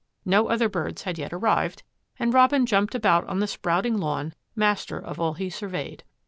No other birds had yet arrived and Robin jumped about on the sprouting lawn master of all he surveyed.